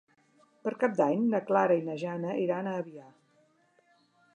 Per Cap d'Any na Clara i na Jana iran a Avià.